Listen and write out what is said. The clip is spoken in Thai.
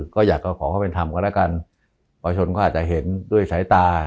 ก็อยากก็ขอเข้าไปทำกันแล้วกันประชนเขาอาจจะเห็นด้วยสายตา